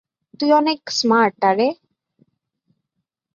তুই অনেক স্মার্ট না রে?